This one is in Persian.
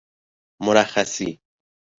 مرخصی